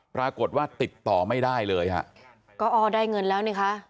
ปรากฏว่าติดต่อไม่ได้เลยฮะก็อ้อได้เงินแล้วนี่คะ